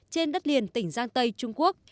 trên đất liền tỉnh giang tây trung quốc